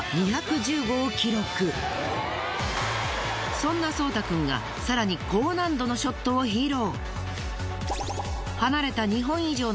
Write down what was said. そんな聡太くんがさらに高難度のショットを披露。